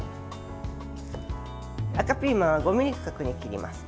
赤ピーマンは５ｍｍ角に切ります。